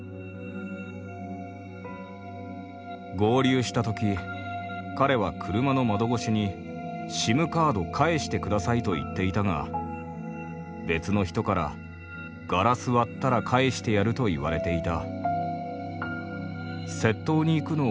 合流したとき彼は車の窓越しに「ＳＩＭカード返してください」と言っていたが、別の人から「ガラス割ったら返してやる」と言われていた。